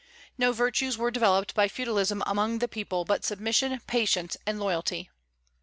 No virtues were developed by feudalism among the people but submission, patience, and loyalty.